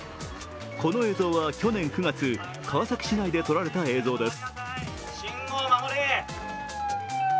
この映像は去年９月、川崎市内で撮られた映像です。